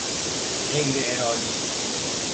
غیرارادی